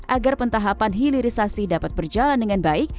agar pentahapan hilirisasi dapat berjalan dengan baik